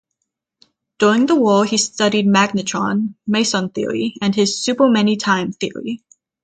During the war he studied the magnetron, meson theory, and his super-many-time theory.